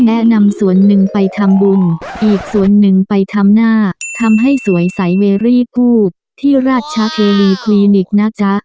แนะนำส่วนหนึ่งไปทำบุญอีกส่วนหนึ่งไปทำหน้าทำให้สวยใสเวรี่คู่ที่ราชเทวีคลินิกนะจ๊ะ